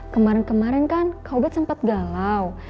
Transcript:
kemarin kemarin kan kawubit sempet galau